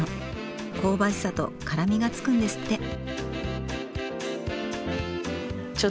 香ばしさと辛みがつくんですって。